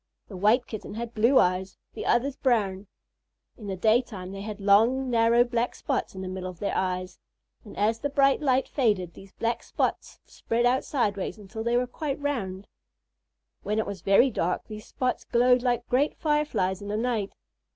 The White Kitten had blue ones, the others brown. In the daytime, they had long, narrow black spots in the middle of their eyes, and as the bright light faded, these black spots spread out sideways until they were quite round. When it was very dark, these spots glowed like great Fireflies in the night.